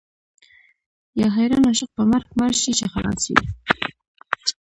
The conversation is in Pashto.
یا حیران عاشق په مرګ مړ شي چې خلاص شي.